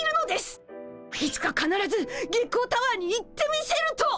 いつかかならず月光タワーに行ってみせると！